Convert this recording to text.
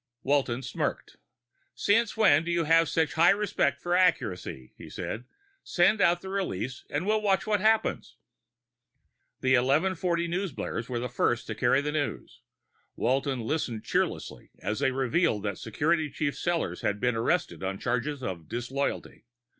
Walton smirked. "Since when do you have such a high respect for accuracy?" he asked. "Send out the release and we'll watch what happens." The 1140 newsblares were the first to carry the news. Walton listened cheerlessly as they revealed that Security Chief Sellors had been arrested on charges of disloyalty.